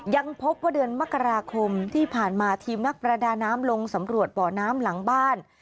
ยังพบว่าเดือนมกราคมที่ผ่านมาทีมนักประดาน้ำลงสำรวจบ่อน้ำหลังบ้าน